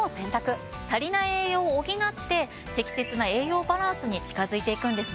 足りない栄養を補って適切な栄養バランスに近づいていくんですね。